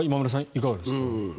いかがですか？